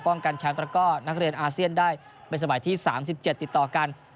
ป้องกันชั้นประกอบนักเรียนอาเซียนได้ไปสมัยที่๓๗ติดต่อกัน